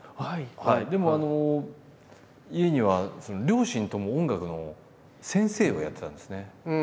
でも家には両親とも音楽の先生をやってたんですね。